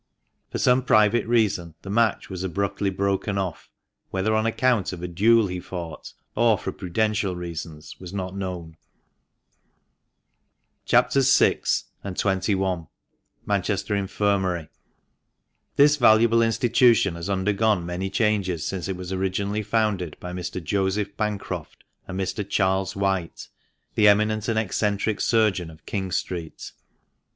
For some private reason the match was abruptly broken off; whether on account of a duel he fought or for prudential reasons was not known. CHAPS. VI. AND XXL— MANCHESTER INFIRMARY.— This valuable institution has undergone many changes since it was originally founded by Mr. Joseph Bancroft and Mr. Charles White, the eminent and eccentric surgeon of King Street.